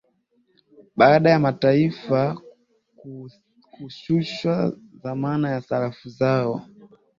baada ya mataifa hayo kushusha dhamana ya sarafu zao